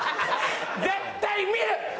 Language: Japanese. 絶対見る！